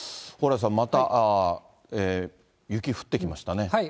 蓬莱さん、また雪降ってきましたね。